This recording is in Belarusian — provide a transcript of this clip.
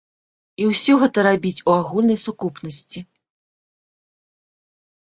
І ўсё гэта рабіць у агульнай сукупнасці.